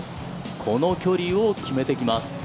この距離を決めてきます。